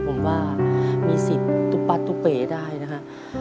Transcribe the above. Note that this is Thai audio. ผมว่ามีสิทธิ์ตุ๊ปัดตุ๊เป๋ได้นะครับ